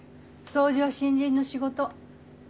掃除は新人の仕事。